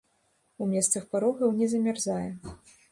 У месцах парогаў не замярзае.